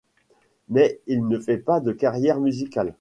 Mais il ne fait pas de carrière musicale.